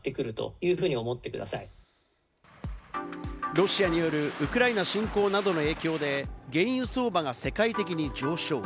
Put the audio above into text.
ロシアによるウクライナ侵攻などの影響で原油相場が世界的に上昇。